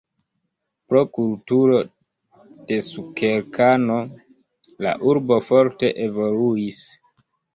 Pro kulturo de sukerkano la urbo forte evoluis.